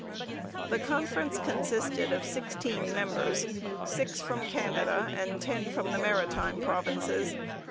The conference consisted of sixteen members, six from Canada and ten from the Maritime Provinces.